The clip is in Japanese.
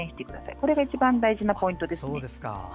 これが一番大事なポイントです。